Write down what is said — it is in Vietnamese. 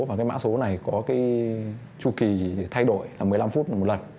và cái mã số này có cái chu kỳ thay đổi là một mươi năm phút là một lần